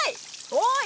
おい！